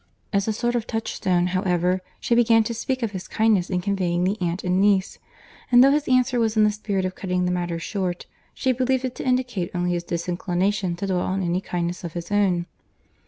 As a sort of touchstone, however, she began to speak of his kindness in conveying the aunt and niece; and though his answer was in the spirit of cutting the matter short, she believed it to indicate only his disinclination to dwell on any kindness of his own.